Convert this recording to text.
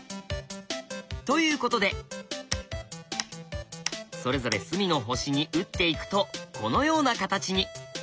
ということでそれぞれ隅の星に打っていくとこのような形に。